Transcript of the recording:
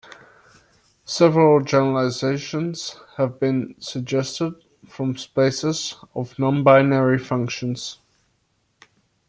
Several generalizations have been suggested for spaces of non-binary functions.